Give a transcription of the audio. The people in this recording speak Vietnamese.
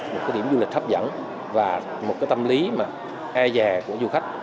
một cái điểm du lịch hấp dẫn và một cái tâm lý mà e dè của du khách